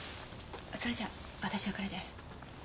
それじゃあ私はこれで。